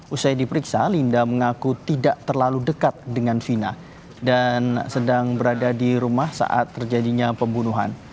usai diperiksa linda mengaku tidak terlalu dekat dengan vina dan sedang berada di rumah saat terjadinya pembunuhan